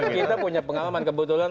kita punya pengalaman kebetulan